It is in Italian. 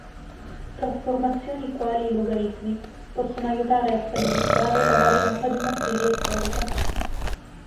Trasformazioni quali i logaritmi possono aiutare a stabilizzare la varianza di una serie storica.